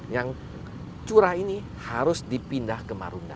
yang curah ini harus dipindah ke marunda